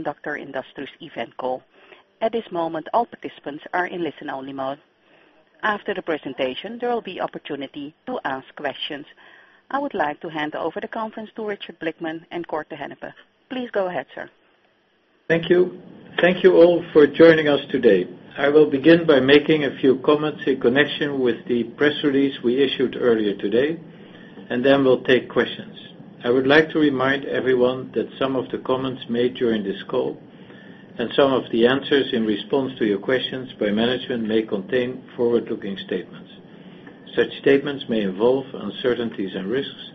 BE Semiconductor Industries event call. At this moment, all participants are in listen-only mode. After the presentation, there will be opportunity to ask questions. I would like to hand over the conference to Richard Blickman and Cor te Hennepe. Please go ahead, sir. Thank you. Thank you all for joining us today. I will begin by making a few comments in connection with the press release we issued earlier today, then we'll take questions. I would like to remind everyone that some of the comments made during this call and some of the answers in response to your questions by management may contain forward-looking statements. Such statements may involve uncertainties and risks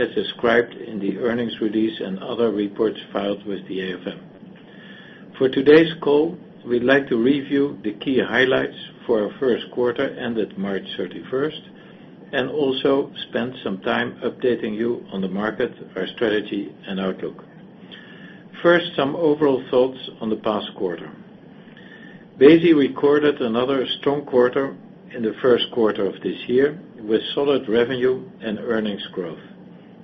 as described in the earnings release and other reports filed with the AFM. For today's call, we'd like to review the key highlights for our first quarter ended March 31st, also spend some time updating you on the market, our strategy and outlook. First, some overall thoughts on the past quarter. BESI recorded another strong quarter in the first quarter of this year with solid revenue and earnings growth.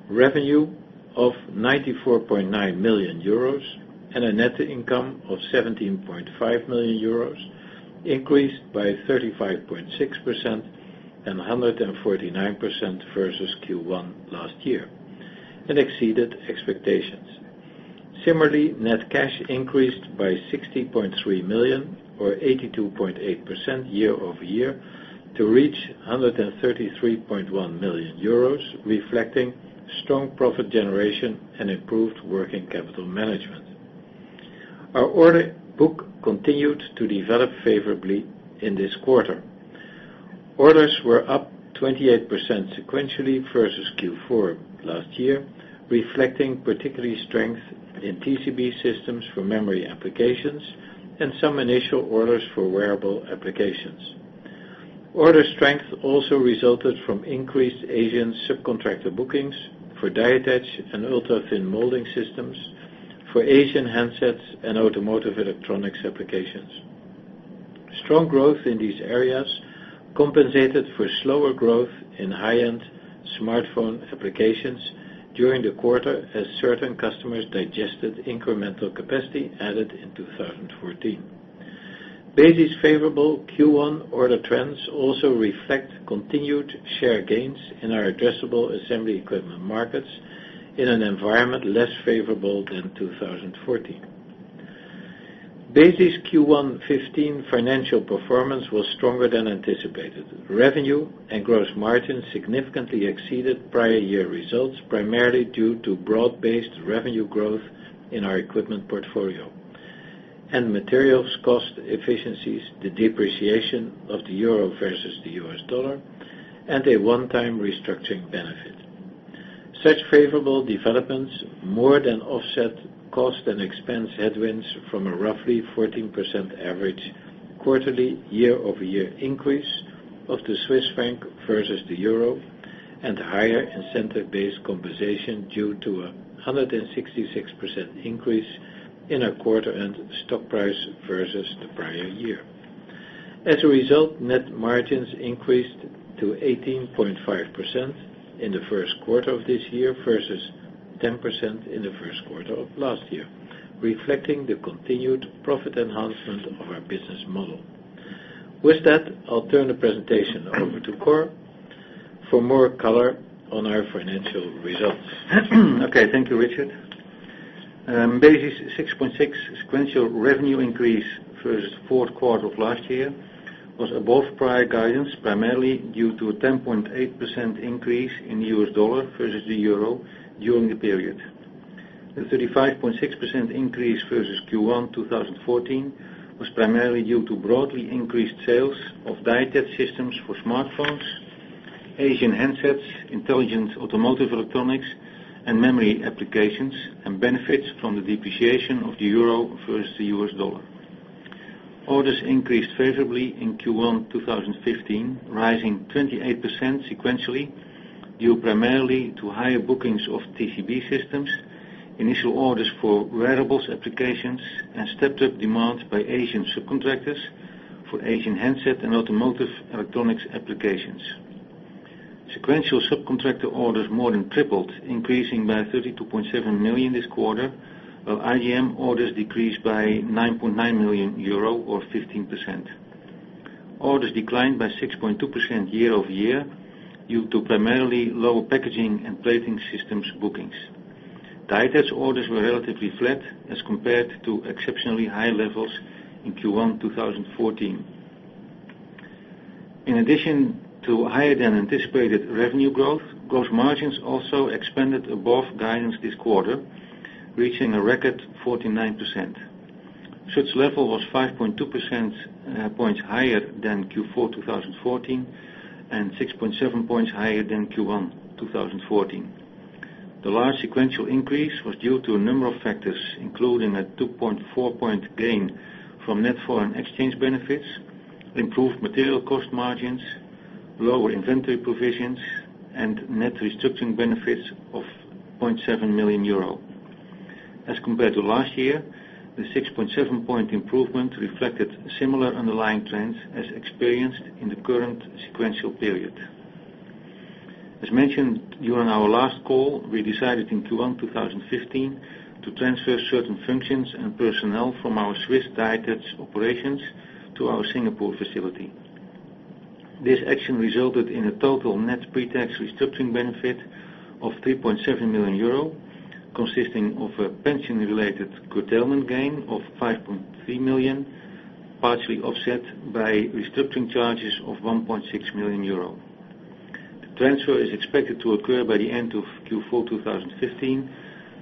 Revenue of 94.9 million euros a net income of 17.5 million euros increased by 35.6% and 149% versus Q1 last year, exceeded expectations. Similarly, net cash increased by 60.3 million or 82.8% year-over-year to reach 133.1 million euros, reflecting strong profit generation and improved working capital management. Our order book continued to develop favorably in this quarter. Orders were up 28% sequentially versus Q4 last year, reflecting particularly strength in TCB systems for memory applications and some initial orders for wearable applications. Order strength also resulted from increased Asian subcontractor bookings for die attach and ultra-thin molding systems for Asian handsets and automotive electronics applications. Strong growth in these areas compensated for slower growth in high-end smartphone applications during the quarter as certain customers digested incremental capacity added in 2014. BESI's favorable Q1 order trends also reflect continued share gains in our addressable assembly equipment markets in an environment less favorable than 2014. BESI's Q1 '15 financial performance was stronger than anticipated. Revenue and gross margin significantly exceeded prior year results, primarily due to broad-based revenue growth in our equipment portfolio, materials cost efficiencies, the depreciation of the euro versus the US dollar, and a one-time restructuring benefit. Such favorable developments more than offset cost and expense headwinds from a roughly 14% average quarterly year-over-year increase of the Swiss franc versus the euro, higher incentive-based compensation due to 166% increase in our quarter end stock price versus the prior year. As a result, net margins increased to 18.5% in the first quarter of this year versus 10% in the first quarter of last year, reflecting the continued profit enhancement of our business model. With that, I'll turn the presentation over to Cor for more color on our financial results. Okay. Thank you, Richard. BESI's 6.6 sequential revenue increase versus fourth quarter of last year was above prior guidance, primarily due to a 10.8% increase in the US dollar versus the euro during the period. The 35.6% increase versus Q1 2014 was primarily due to broadly increased sales of die attach systems for smartphones, Asian handsets, intelligent automotive electronics, and memory applications, and benefits from the depreciation of the euro versus the US dollar. Orders increased favorably in Q1 2015, rising 28% sequentially due primarily to higher bookings of TCB systems, initial orders for wearables applications, and stepped-up demand by Asian subcontractors for Asian handset and automotive electronics applications. Sequential subcontractor orders more than tripled, increasing by 32.7 million this quarter, while IDM orders decreased by 9.9 million euro or 15%. Orders declined by 6.2% year-over-year due to primarily lower packaging and plating systems bookings. Die attach orders were relatively flat as compared to exceptionally high levels in Q1 2014. In addition to higher than anticipated revenue growth, gross margins also expanded above guidance this quarter, reaching a record 49%. Such level was 5.2 percentage points higher than Q4 2014 and 6.7 percentage points higher than Q1 2014. The large sequential increase was due to a number of factors, including a 2.4 percentage point gain from net foreign exchange benefits, improved material cost margins, lower inventory provisions, and net restructuring benefits of 0.7 million euro. As compared to last year, the 6.7 percentage point improvement reflected similar underlying trends as experienced in the current sequential period. As mentioned during our last call, we decided in Q1 2015 to transfer certain functions and personnel from our Swiss die attach operations to our Singapore facility. This action resulted in a total net pre-tax restructuring benefit of 3.7 million euro, consisting of a pension-related curtailment gain of 5.3 million, partially offset by restructuring charges of 1.6 million euro. The transfer is expected to occur by the end of Q4 2015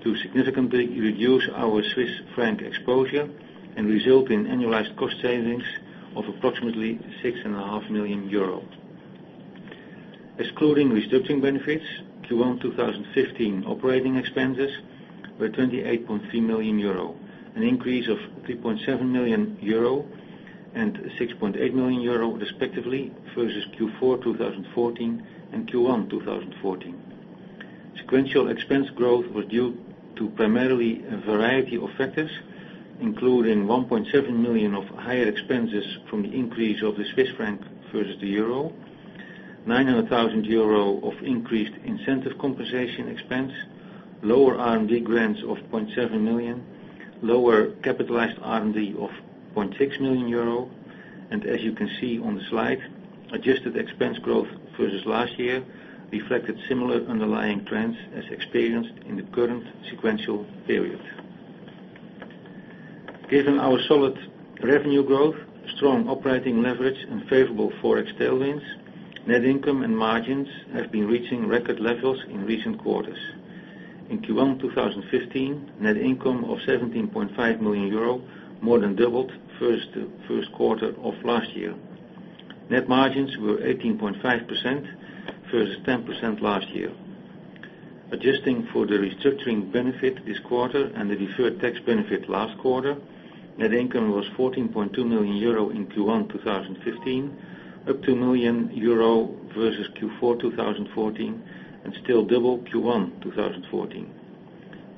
to significantly reduce our Swiss franc exposure and result in annualized cost savings of approximately 6.5 million euro. Excluding restructuring benefits, Q1 2015 operating expenses were 28.3 million euro, an increase of 3.7 million euro and 6.8 million euro, respectively, versus Q4 2014 and Q1 2014. Sequential expense growth was due to primarily a variety of factors, including 1.7 million of higher expenses from the increase of the Swiss franc versus the euro, 900,000 euro of increased incentive compensation expense, lower R&D grants of 0.7 million, lower capitalized R&D of 0.6 million euro. As you can see on the slide, adjusted expense growth versus last year reflected similar underlying trends as experienced in the current sequential period. Given our solid revenue growth, strong operating leverage, and favorable Forex tailwinds, net income and margins have been reaching record levels in recent quarters. In Q1 2015, net income of 17.5 million euro more than doubled versus the first quarter of last year. Net margins were 18.5% versus 10% last year. Adjusting for the restructuring benefit this quarter and the deferred tax benefit last quarter, net income was 14.2 million euro in Q1 2015, up 2 million euro versus Q4 2014, and still double Q1 2014.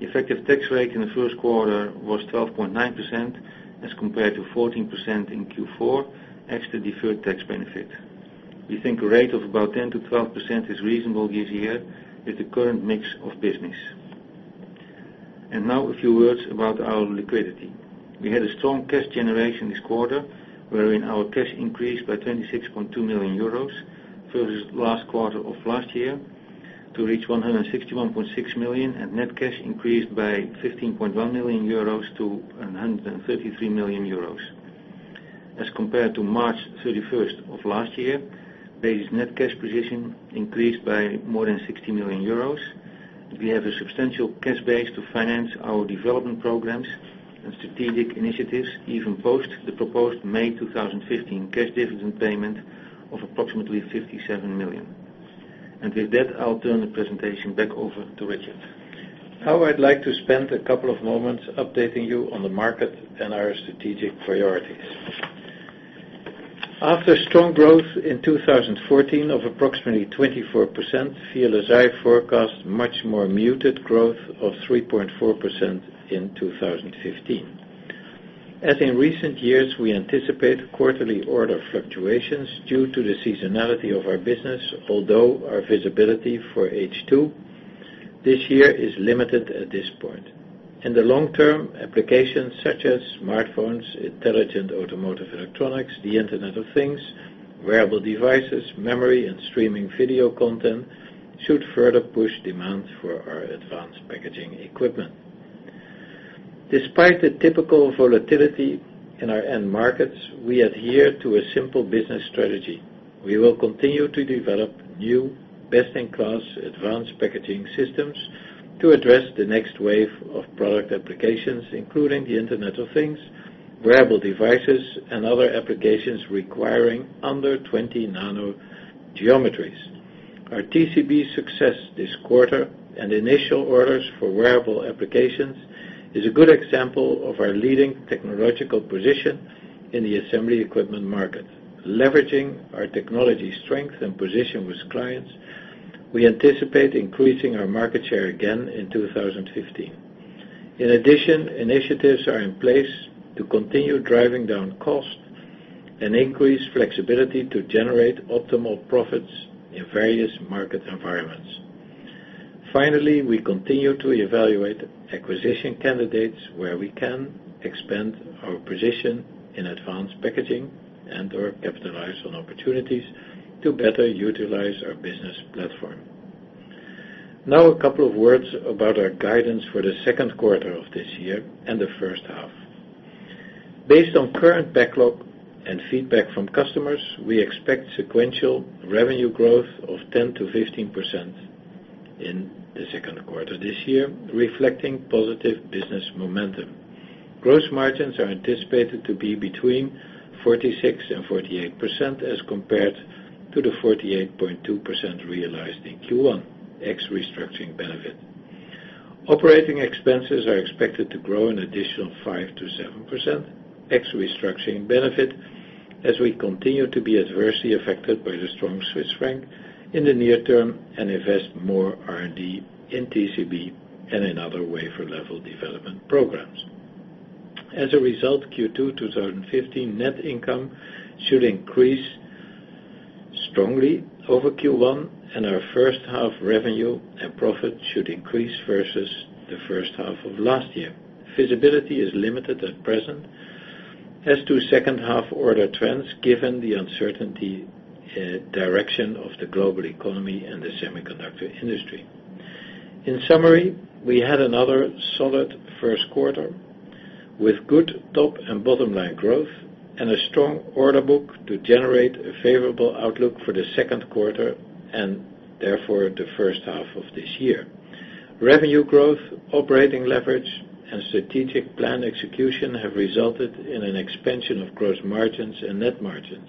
The effective tax rate in the first quarter was 12.9% as compared to 14% in Q4, ex the deferred tax benefit. We think a rate of about 10%-12% is reasonable this year with the current mix of business. Now a few words about our liquidity. We had a strong cash generation this quarter, wherein our cash increased by 26.2 million euros versus last quarter of last year to reach 161.6 million, and net cash increased by 15.1 million euros to 133 million euros. As compared to March 31st of last year, BESI's net cash position increased by more than 60 million euros. We have a substantial cash base to finance our development programs and strategic initiatives even post the proposed May 2015 cash dividend payment of approximately 57 million. With that, I'll turn the presentation back over to Richard. Now, I'd like to spend a couple of moments updating you on the market and our strategic priorities. After strong growth in 2014 of approximately 24%, VLSI forecasts much more muted growth of 3.4% in 2015. As in recent years, we anticipate quarterly order fluctuations due to the seasonality of our business, although our visibility for H2 this year is limited at this point. In the long term, applications such as smartphones, intelligent automotive electronics, the Internet of Things, wearable devices, memory, and streaming video content should further push demand for our advanced packaging equipment. Despite the typical volatility in our end markets, we adhere to a simple business strategy. We will continue to develop new best-in-class advanced packaging systems to address the next wave of product applications, including the Internet of Things, wearable devices, and other applications requiring under 20 nano geometries. Our TCB success this quarter and initial orders for wearable applications is a good example of our leading technological position in the assembly equipment market. Leveraging our technology strength and position with clients, we anticipate increasing our market share again in 2015. In addition, initiatives are in place to continue driving down cost and increase flexibility to generate optimal profits in various market environments. Finally, we continue to evaluate acquisition candidates where we can expand our position in advanced packaging and/or capitalize on opportunities to better utilize our business platform. Now, a couple of words about our guidance for the second quarter of this year and the first half. Based on current backlog and feedback from customers, we expect sequential revenue growth of 10%-15% in the second quarter this year, reflecting positive business momentum. Gross margins are anticipated to be between 46% and 48% as compared to the 48.2% realized in Q1, ex restructuring benefit. Operating expenses are expected to grow an additional 5% to 7%, ex restructuring benefit, as we continue to be adversely affected by the strong Swiss franc in the near term and invest more R&D in TCB and in other wafer-level development programs. As a result, Q2 2015 net income should increase strongly over Q1, and our first half revenue and profit should increase versus the first half of last year. Visibility is limited at present as to second half order trends, given the uncertainty direction of the global economy and the semiconductor industry. In summary, we had another solid first quarter with good top and bottom-line growth and a strong order book to generate a favorable outlook for the second quarter, and therefore, the first half of this year. Revenue growth, operating leverage, and strategic plan execution have resulted in an expansion of gross margins and net margins.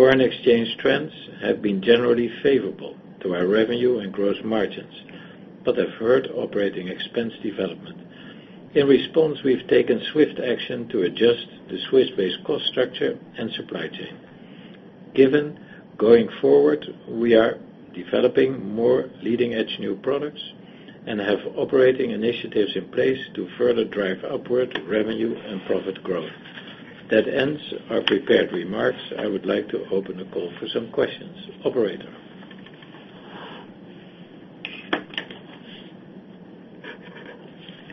Foreign exchange trends have been generally favorable to our revenue and gross margins, but have hurt operating expense development. In response, we've taken swift action to adjust the Swiss-based cost structure and supply chain. Going forward, we are developing more leading-edge new products and have operating initiatives in place to further drive upward revenue and profit growth. That ends our prepared remarks. I would like to open the call for some questions. Operator.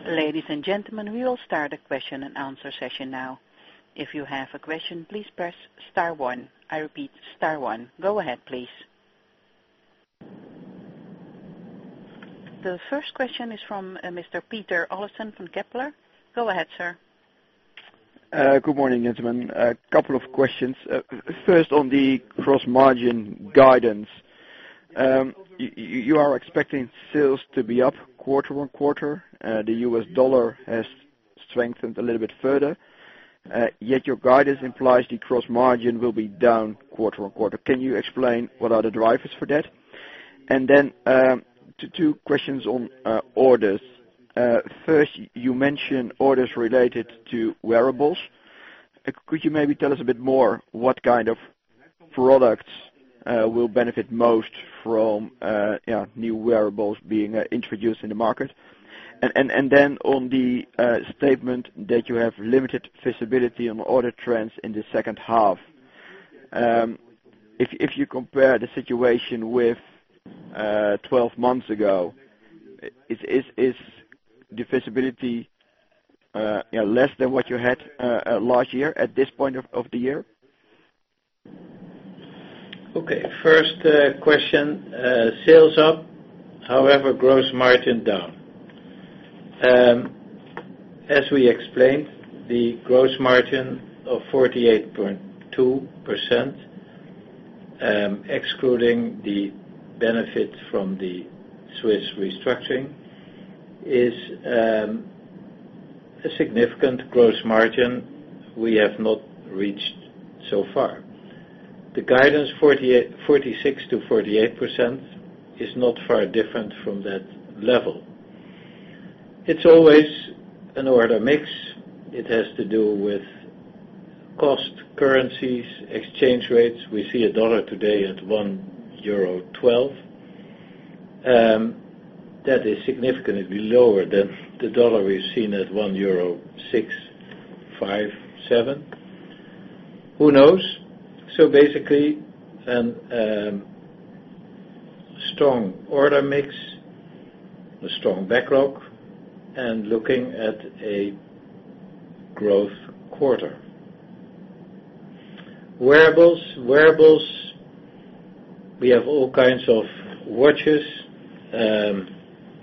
Ladies and gentlemen, we will start the question and answer session now. If you have a question, please press star one. I repeat, star one. Go ahead, please. The first question is from Mr. Peter Olofsen from Kepler. Go ahead, sir. Good morning, gentlemen. A couple of questions. First, on the gross margin guidance. You are expecting sales to be up quarter-on-quarter. The US dollar has strengthened a little bit further. Yet your guidance implies the gross margin will be down quarter-on-quarter. Can you explain what are the drivers for that? Two questions on orders. First, you mentioned orders related to wearables. Could you maybe tell us a bit more what kind of products will benefit most from new wearables being introduced in the market? Then on the statement that you have limited visibility on order trends in the second half. If you compare the situation with 12 months ago, is the visibility less than what you had last year at this point of the year? Okay. First question, sales up, however, gross margin down. As we explained, the gross margin of 48.2%, excluding the benefit from the Swiss restructuring, is a significant gross margin we have not reached so far. The guidance 46%-48% is not far different from that level. It's always an order mix. It has to do with cost currencies, exchange rates. We see a U.S. dollar today at 1.12 euro. That is significantly lower than the U.S. dollar we've seen at 1.657 euro. Who knows? Basically, a strong order mix, a strong backlog, and looking at a growth quarter. Wearables, we have all kinds of watches,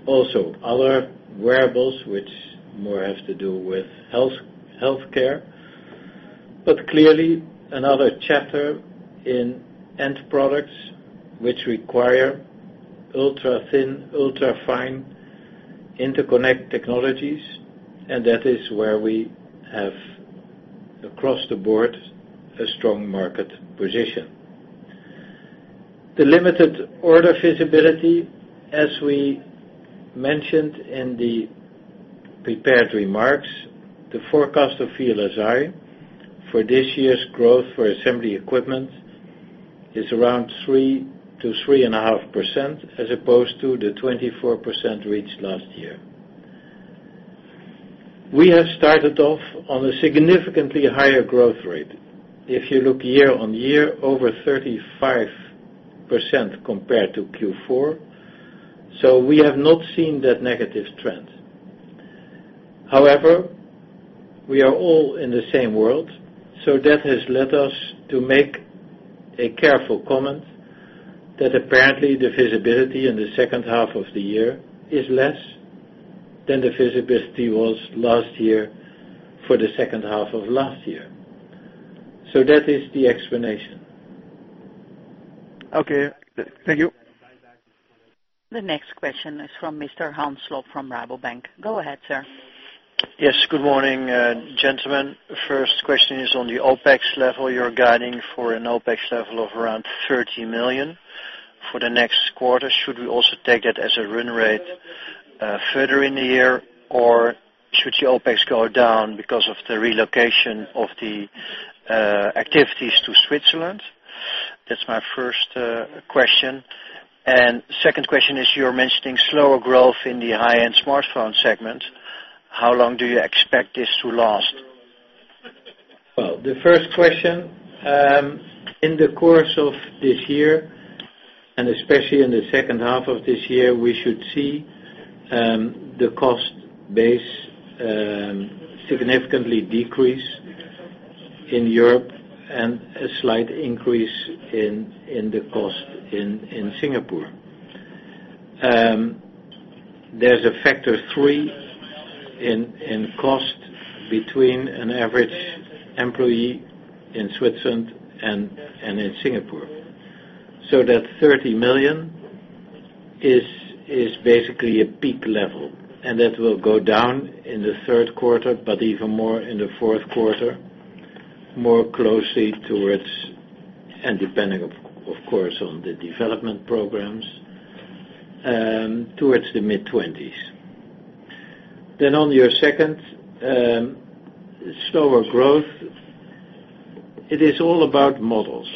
also other wearables which more has to do with healthcare. Clearly, another chapter in end products which require ultra-thin, ultra-fine interconnect technologies, and that is where we have, across the board, a strong market position. The limited order visibility, as we mentioned in the prepared remarks, the forecast of VLSI Research for this year's growth for assembly equipment is around 3%-3.5%, as opposed to the 24% reached last year. We have started off on a significantly higher growth rate. If you look year-over-year, over 35% compared to Q4, we have not seen that negative trend. However, we are all in the same world, that has led us to make a careful comment that apparently the visibility in the second half of the year is less than the visibility was last year for the second half of last year. That is the explanation. Okay. Thank you. The next question is from Mr. Hans Slob from Rabobank. Go ahead, sir. Yes. Good morning, gentlemen. First question is on the OPEX level. You're guiding for an OPEX level of around 30 million for the next quarter. Should we also take that as a run rate further in the year, or should the OPEX go down because of the relocation of the activities to Switzerland? That's my first question. Second question is, you're mentioning slower growth in the high-end smartphone segment. How long do you expect this to last? Well, the first question, in the course of this year, especially in the second half of this year, we should see the cost base significantly decrease in Europe and a slight increase in the cost in Singapore. There's a factor of three in cost between an average employee in Switzerland and in Singapore. That 30 million is basically a peak level, and that will go down in the third quarter, but even more in the fourth quarter, more closely towards, and depending of course on the development programs, towards the mid-20s. On your second, slower growth. It is all about models.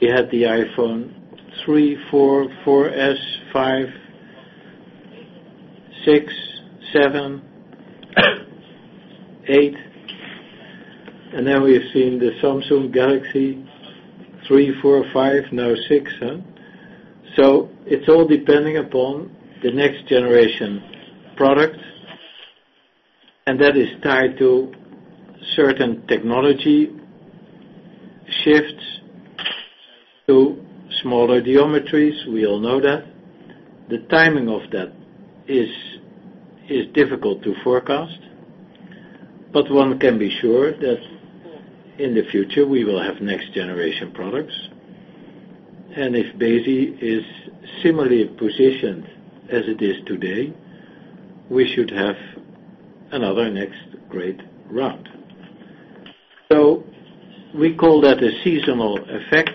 We had the iPhone 3, 4, 4S, 5, 6, 7, 8, and now we have seen the Samsung Galaxy 3, 4, 5, now 6. It's all depending upon the next generation product, and that is tied to certain technology shifts to smaller geometries. We all know that. The timing of that is difficult to forecast, but one can be sure that in the future, we will have next generation products. If BESI is similarly positioned as it is today, we should have another next great round. We call that a seasonal effect.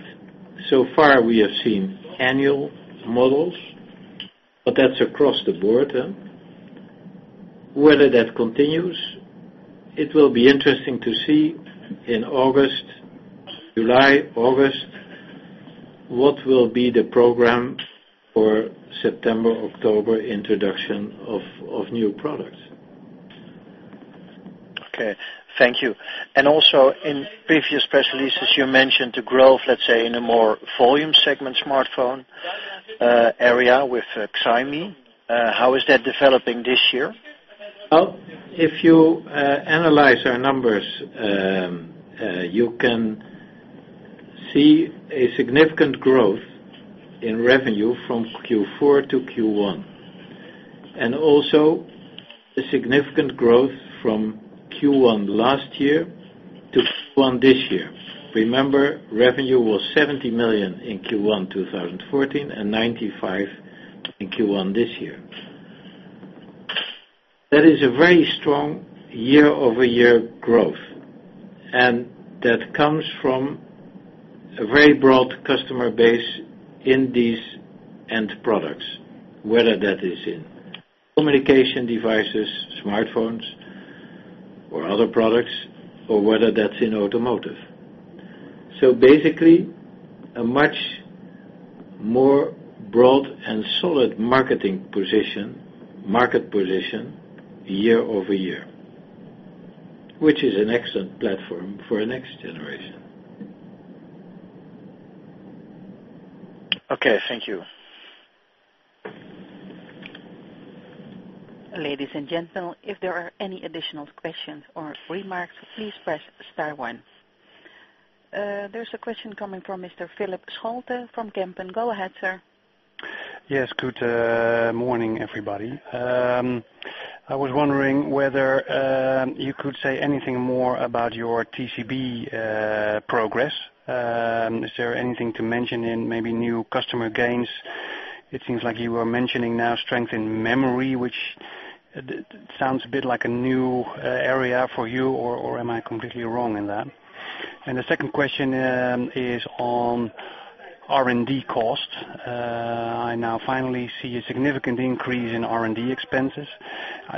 So far, we have seen annual models, but that's across the board. Whether that continues, it will be interesting to see in July, August, what will be the program for September, October introduction of new products. Okay, thank you. Also, in previous press releases, you mentioned the growth, let's say, in a more volume segment smartphone area with Xiaomi. How is that developing this year? If you analyze our numbers, you can see a significant growth in revenue from Q4 to Q1. A significant growth from Q1 last year to Q1 this year. Remember, revenue was 70 million in Q1 2014 and 95 million in Q1 this year. That is a very strong year-over-year growth, that comes from a very broad customer base in these end products, whether that is in communication devices, smartphones, or other products, or whether that's in automotive. A much more broad and solid market position year-over-year, which is an excellent platform for a next generation. Thank you. Ladies and gentlemen, if there are any additional questions or remarks, please press star one. There's a question coming from Mr. Philip Scholte from Kempen. Go ahead, sir. Good morning, everybody. I was wondering whether you could say anything more about your TCB progress. Is there anything to mention in maybe new customer gains? It seems like you are mentioning now strength in memory, which sounds a bit like a new area for you, or am I completely wrong in that? The second question is on R&D costs. I now finally see a significant increase in R&D expenses.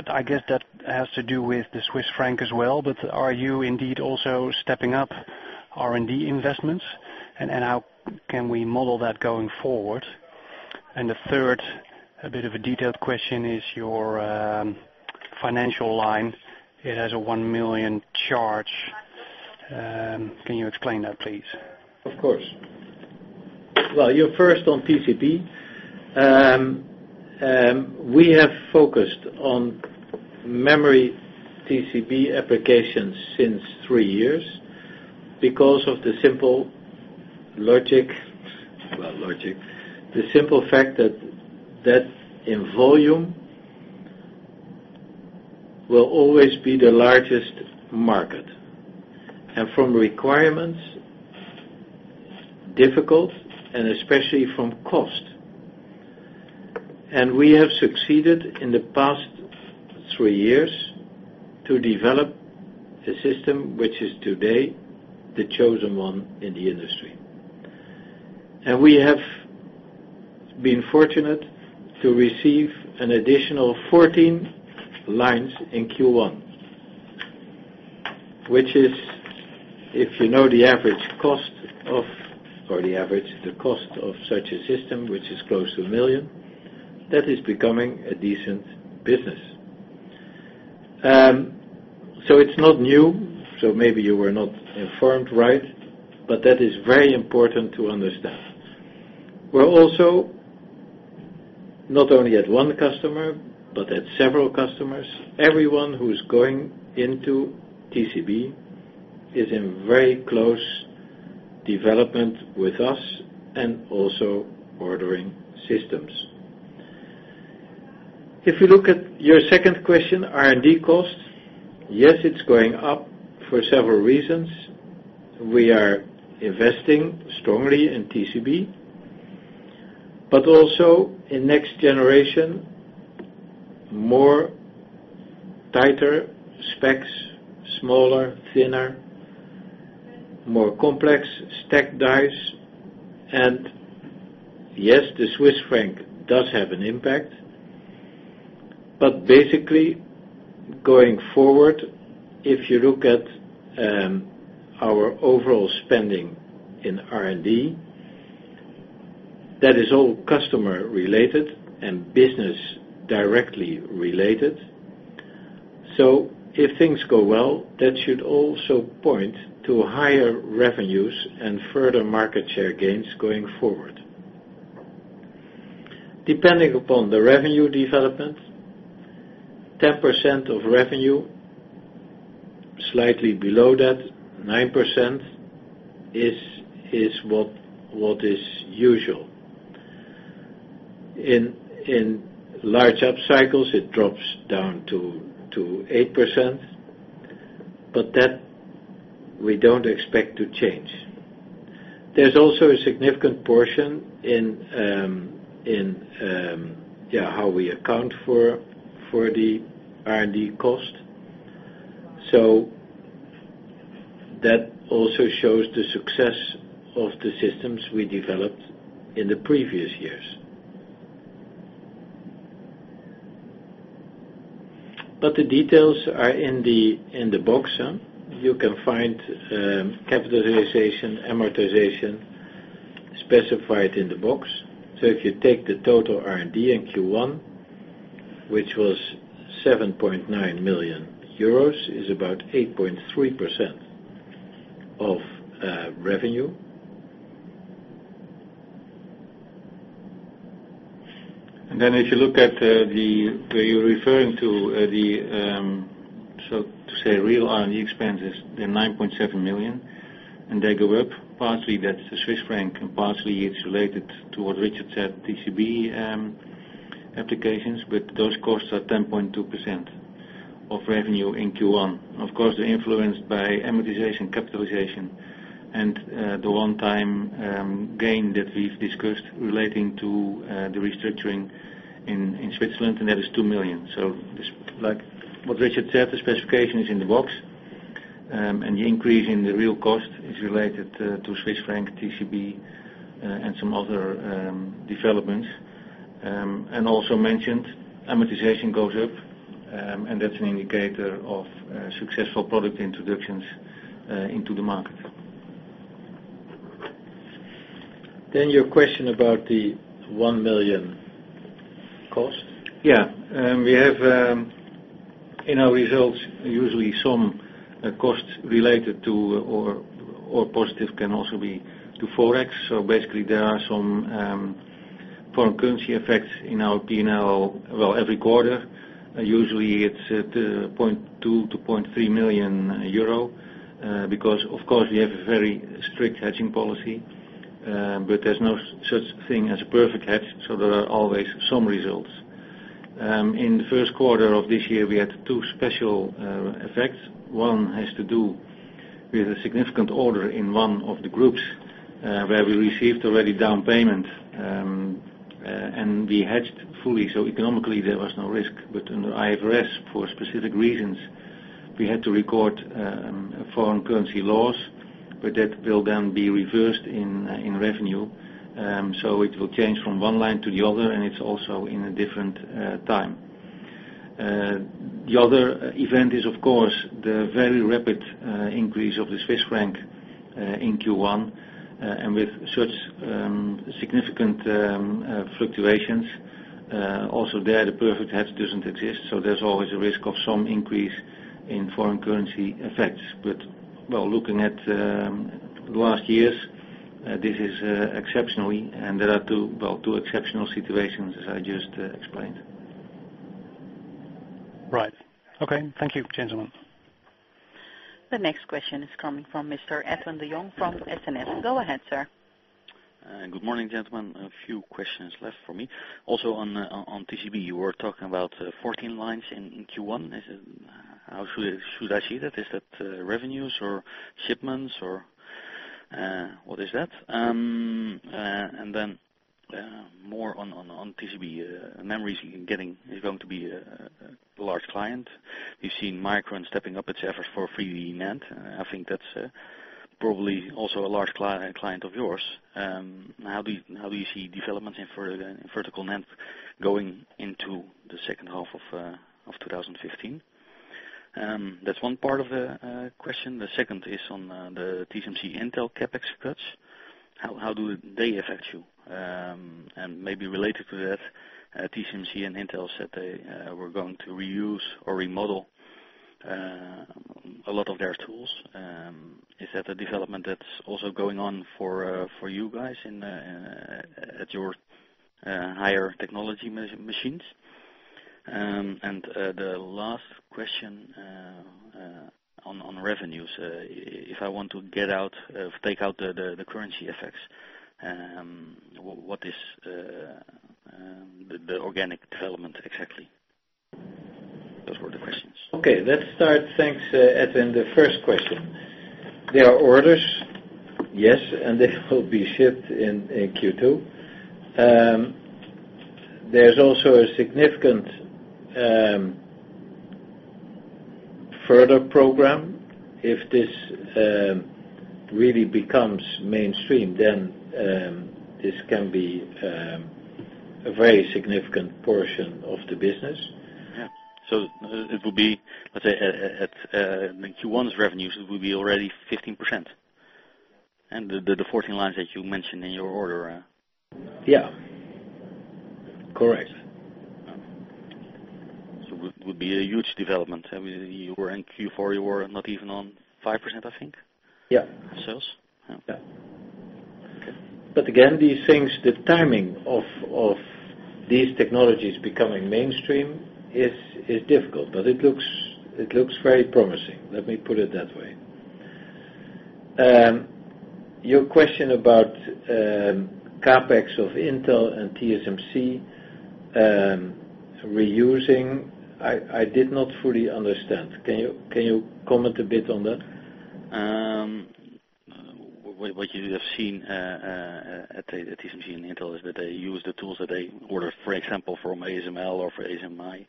I guess that has to do with the Swiss franc as well, are you indeed also stepping up R&D investments? How can we model that going forward? The third, a bit of a detailed question, is your financial line. It has a 1 million charge. Can you explain that, please? Of course. Well, your first on TCB. We have focused on memory TCB applications since three years because of the simple fact that in volume will always be the largest market, and from requirements, difficult, and especially from cost. We have succeeded in the past three years to develop a system which is today the chosen one in the industry. We have been fortunate to receive an additional 14 lines in Q1. Which is, if you know the cost of such a system, which is close to 1 million, that is becoming a decent business. It's not new, so maybe you were not informed right, but that is very important to understand. We're also not only at one customer, but at several customers. Everyone who's going into TCB is in very close development with us and also ordering systems. If you look at your second question, R&D costs. Yes, it's going up for several reasons. We are investing strongly in TCB, but also in next generation, more tighter specs, smaller, thinner, more complex stack dies. Yes, the Swiss franc does have an impact. Basically, going forward, if you look at our overall spending in R&D, that is all customer related and business directly related. If things go well, that should also point to higher revenues and further market share gains going forward. Depending upon the revenue development, 10% of revenue, slightly below that, 9% is what is usual. In large up cycles, it drops down to 8%, but that, we don't expect to change. There's also a significant portion in how we account for the R&D cost. That also shows the success of the systems we developed in the previous years. The details are in the box. You can find capitalization, amortization specified in the box. If you take the total R&D in Q1, which was 7.9 million euros, is about 8.3% of revenue. If you look at where you're referring to the, so to say, real R&D expenses, they're 9.7 million, and they go up. Partly that's the Swiss franc, and partly it's related to what Richard said, TCB applications. Those costs are 10.2% of revenue in Q1. Of course, they're influenced by amortization, capitalization, and the one-time gain that we've discussed relating to the restructuring in Switzerland, and that is 2 million. Like what Richard said, the specification is in the box, and the increase in the real cost is related to Swiss franc, TCB, and some other developments. Also mentioned, amortization goes up, and that's an indicator of successful product introductions into the market. Your question about the one million EUR cost. Yeah. We have in our results, usually some costs related to, or positive can also be to Forex. Basically, there are some foreign currency effects in our P&L every quarter. Usually, it's at 0.2 million-0.3 million euro because, of course, we have a very strict hedging policy. There's no such thing as a perfect hedge, so there are always some results. In the first quarter of this year, we had two special effects. One has to do with a significant order in one of the groups, where we received already down payment, and we hedged fully. Economically, there was no risk. Under IFRS, for specific reasons, we had to record foreign currency loss, but that will then be reversed in revenue. It will change from one line to the other, and it's also in a different time. The other event is, of course, the very rapid increase of the Swiss franc in Q1. With such significant fluctuations, also there, the perfect hedge doesn't exist, so there's always a risk of some increase in foreign currency effects. Looking at the last years, this is exceptional, and there are two exceptional situations as I just explained. Right. Okay. Thank you, gentlemen. The next question is coming from Mr. Edwin de Jong from SNS. Go ahead, sir. Good morning, gentlemen. A few questions left for me. Also on TCB, you were talking about 14 lines in Q1. How should I see that? Is that revenues or shipments or what is that? Then more on TCB. Memories is going to be a large client. You've seen Micron stepping up its efforts for 3D NAND. I think that's probably also a large client of yours. How do you see developments in Vertical NAND going into the second half of 2015? That's one part of the question. The second is on the TSMC Intel CapEx cuts. How do they affect you? Maybe related to that, TSMC and Intel said they were going to reuse or remodel a lot of their tools. Is that a development that's also going on for you guys at your higher technology machines? The last question on revenues, if I want to take out the currency effects, what is the organic development exactly? Those were the questions. Okay, let's start. Thanks, Edwin. The first question. There are orders, yes, and they will be shipped in Q2. There's also a significant further program. If this really becomes mainstream, then this can be a very significant portion of the business. Yeah. It will be, let's say, at Q1's revenues, it will be already 15%. The 14 lines that you mentioned in your order. Yeah. Correct. It would be a huge development. In Q4, you were not even on 5%, I think- Yeah of sales. Yeah. Okay. Again, these things, the timing of these technologies becoming mainstream is difficult, but it looks very promising. Let me put it that way. Your question about CapEx of Intel and TSMC reusing, I did not fully understand. Can you comment a bit on that? What you have seen at TSMC and Intel is that they use the tools that they order, for example, from ASML or from ASMI,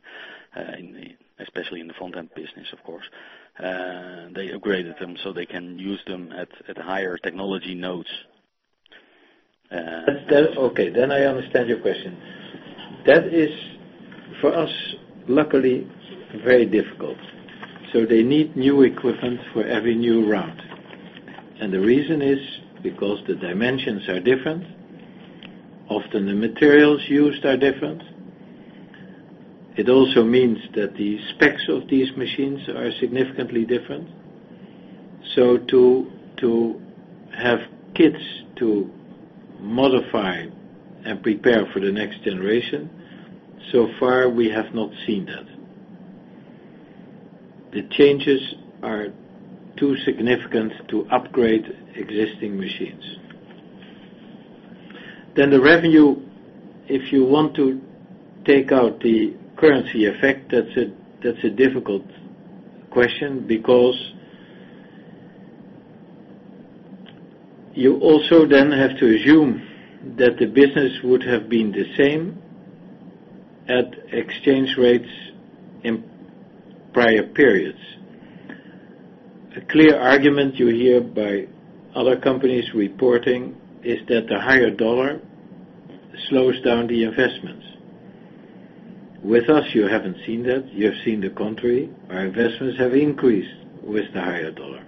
especially in the front-end business, of course. They upgraded them so they can use them at higher technology nodes. Okay. I understand your question. That is, for us, luckily, very difficult. They need new equipment for every new round. The reason is because the dimensions are different, often the materials used are different. It also means that the specs of these machines are significantly different. To have kits to modify and prepare for the next generation, so far we have not seen that. The changes are too significant to upgrade existing machines. The revenue, if you want to take out the currency effect, that's a difficult question because you also then have to assume that the business would have been the same at exchange rates in prior periods. A clear argument you hear by other companies reporting is that the higher U.S. dollar slows down the investments. With us, you haven't seen that. You have seen the contrary. Our investments have increased with the higher U.S. dollar.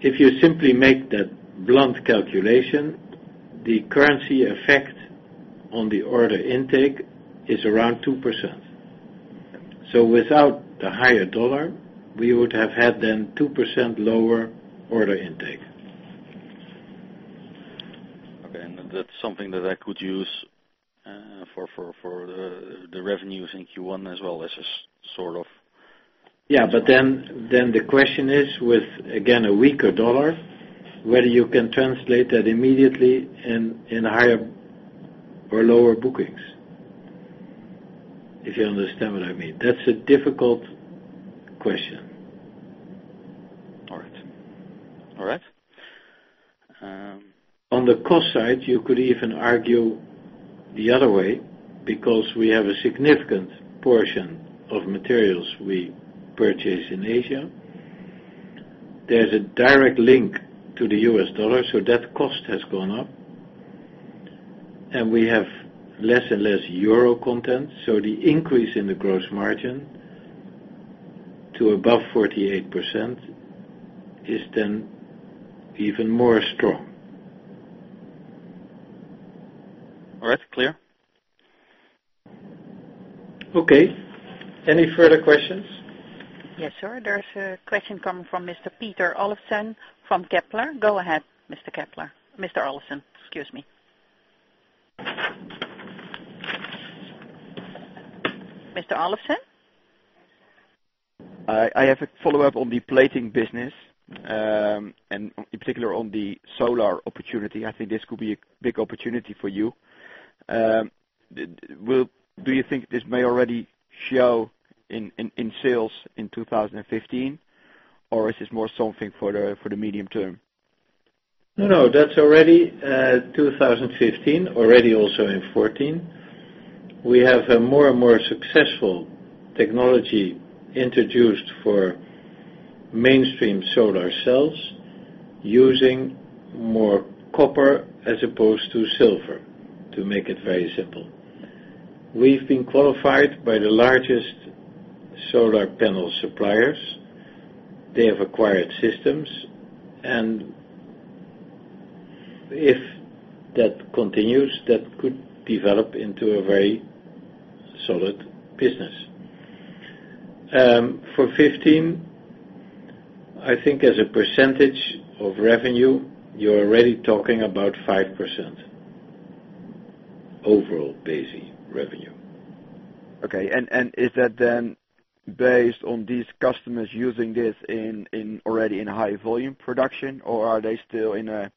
If you simply make that blunt calculation, the currency effect on the order intake is around 2%. Okay. Without the higher U.S. dollar, we would have had then 2% lower order intake. Okay. That's something that I could use for the revenues in Q1 as well as a sort of The question is with, again, a weaker U.S. dollar, whether you can translate that immediately in higher or lower bookings. If you understand what I mean. That's a difficult question. All right. On the cost side, you could even argue the other way because we have a significant portion of materials we purchase in Asia. There's a direct link to the US dollar, so that cost has gone up. We have less and less euro content, so the increase in the gross margin to above 48% is then even more strong. All right. Clear. Okay. Any further questions? Yes, sir. There's a question coming from Mr. Peter Olofsen from Kepler. Go ahead, Mr. Olofsen. Mr. Olofsen, excuse me. Mr. Olofsen? I have a follow-up on the plating business, and in particular on the solar opportunity. I think this could be a big opportunity for you. Do you think this may already show in sales in 2015, or is this more something for the medium term? No, that's already 2015, already also in 2014. We have a more and more successful technology introduced for mainstream solar cells using more copper as opposed to silver, to make it very simple. We've been qualified by the largest solar panel suppliers. They have acquired systems, and if that continues, that could develop into a very solid business. For 2015, I think as a percentage of revenue, you're already talking about 5% overall BESI revenue. Okay. Is that then based on these customers using this already in high volume production, or are they still in a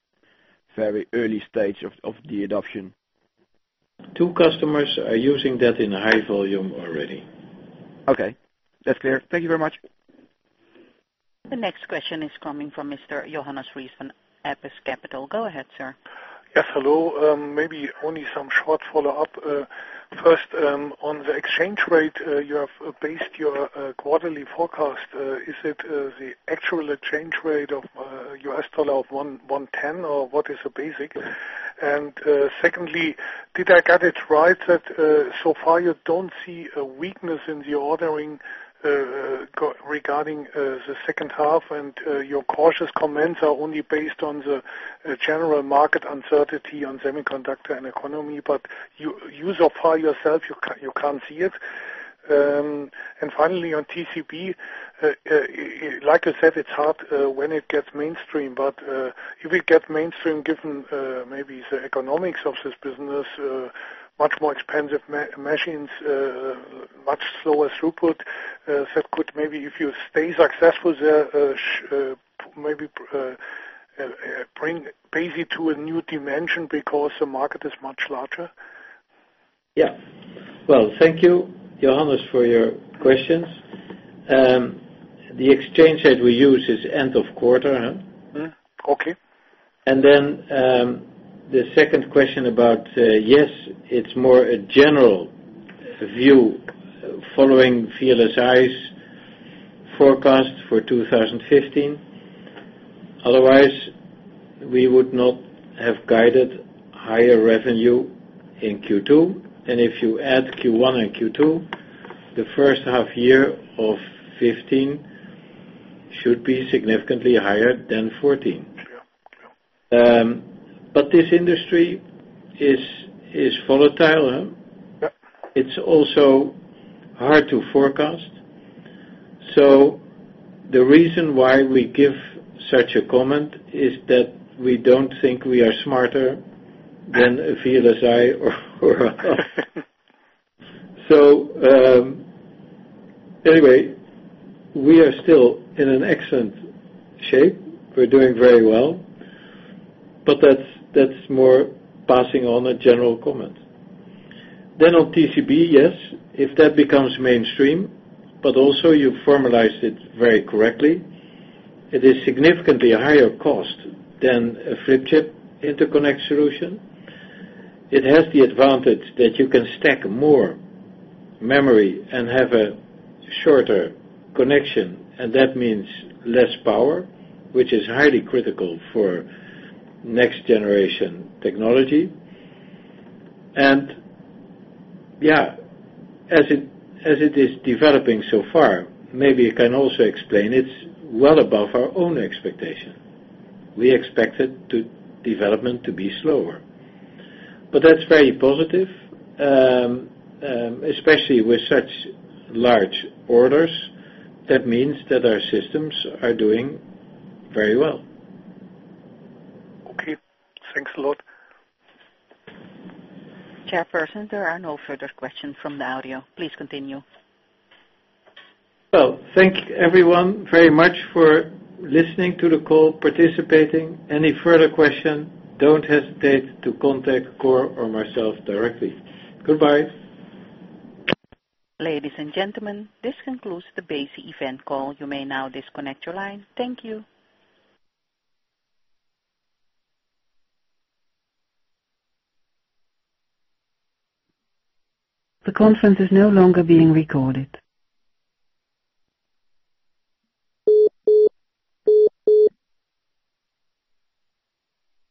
very early stage of the adoption? Two customers are using that in high volume already. Okay. That's clear. Thank you very much. The next question is coming from Mr. Johannes Ries from Apus Capital. Go ahead, sir. Yes, hello. Maybe only some short follow-up. First, on the exchange rate, you have based your quarterly forecast. Is it the actual exchange rate of US dollar of 110, or what is the basic? Secondly, did I get it right that so far you don't see a weakness in the ordering regarding the second half and your cautious comments are only based on the general market uncertainty on semiconductor and economy, but you so far yourself, you can't see it? Finally, on TCB, like I said, it's hard when it gets mainstream, but it will get mainstream given maybe the economics of this business, much more expensive machines, much slower throughput. That could maybe, if you stay successful there, maybe bring BESI to a new dimension because the market is much larger. Yeah. Well, thank you, Johannes, for your questions. The exchange rate we use is end of quarter. Okay. The second question about, yes, it's more a general view following VLSI's forecast for 2015. Otherwise, we would not have guided higher revenue in Q2. If you add Q1 and Q2, the first half year of 2015 should be significantly higher than 2014. Yeah. This industry is volatile. Yeah. It's also hard to forecast. The reason why we give such a comment is that we don't think we are smarter than a VLSI or others. Anyway, we are still in an excellent shape. We're doing very well, but that's more passing on a general comment. On TCB, yes, if that becomes mainstream, but also you formalized it very correctly. It is significantly higher cost than a flip-chip interconnect solution. It has the advantage that you can stack more memory and have a shorter connection, and that means less power, which is highly critical for next generation technology. Yeah, as it is developing so far, maybe I can also explain, it's well above our own expectation. We expected development to be slower. That's very positive, especially with such large orders. That means that our systems are doing very well. Okay, thanks a lot. Chairperson, there are no further questions from the audio. Please continue. Well, thank you everyone very much for listening to the call, participating. Any further question, don't hesitate to contact Cor or myself directly. Goodbye. Ladies and gentlemen, this concludes the BESI event call. You may now disconnect your line. Thank you. The conference is no longer being recorded.